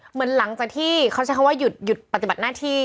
เหมือนหลังจากที่เขาใช้คำว่าหยุดปฏิบัติหน้าที่